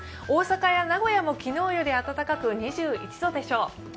大阪や名古屋も昨日より暖かく２１度でしょう。